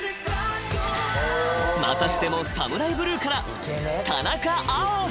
［またしてもＳＡＭＵＲＡＩＢＬＵＥから］